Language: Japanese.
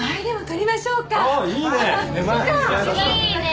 いいね。